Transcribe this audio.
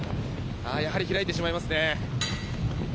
やはり開いてしまいますね。